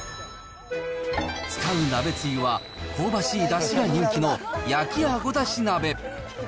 使う鍋つゆは、香ばしいだしが人気の焼きあごだし鍋。